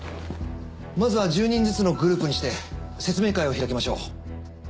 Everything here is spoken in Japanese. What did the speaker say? まずは１０人ずつのグループにして説明会を開きましょう。